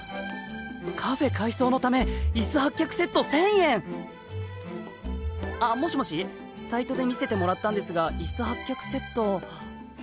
「カフェ改装のためイス８脚セット千円」！あっもしもしサイトで見せてもらったんですがイス８脚セットあっあります？